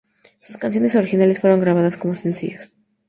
Sus canciones originales fueron grabadas como sencillos.